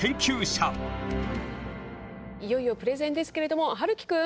いよいよプレゼンですけれどもはるきくん